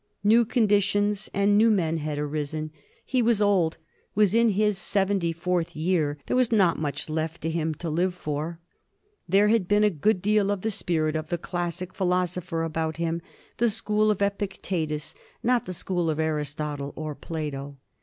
New conditions and 1753. THE LAST OF BOUNGBROEE.. 279 new men had arisen. He was old — ^was in his seventy fourth year ; there was not much left to him to live for. There had been a good deal of the spirit of the classic philosopher about him — the school of Epictetus, not the school of Aristotle or Plato.